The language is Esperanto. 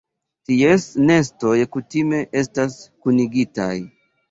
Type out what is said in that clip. Ties nestoj kutime estas kunigitaj.